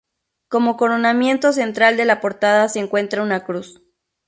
Como coronamiento central de la portada se encuentra una cruz.